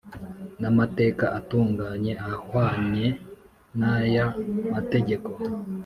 n amateka atunganye ahwanye n aya mategeko